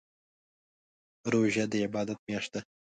روژه دي عبادات میاشت ده